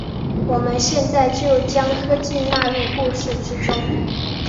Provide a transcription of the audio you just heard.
我们现在就将科技纳入故事之中。